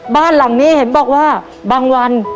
บ้านหลังนี้เห็นบอกว่าบางวันเงินช็อต